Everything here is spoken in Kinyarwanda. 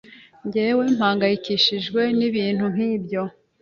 Njyewe mpangayikishijwe nibintu nkibyo.